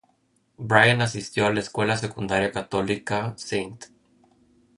Bryan asistió a la Escuela Secundaria Católica St.